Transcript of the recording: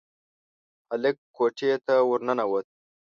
هلک کوټې ته ورننوت.